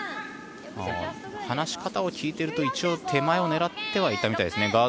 話し方を聞いていると手前を狙ってはいたみたいですね。